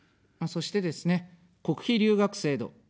そしてですね、国費留学制度。